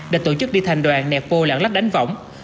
đã tổ chức đi thành đoàn nẹp vô lãng lách đánh võng